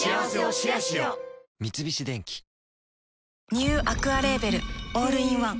ニューアクアレーベルオールインワン